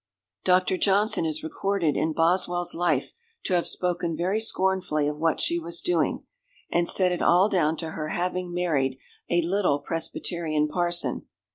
Dr. Johnson is recorded in Boswell's life to have spoken very scornfully of what she was doing, and set it all down to her having married a "little Presbyterian parson."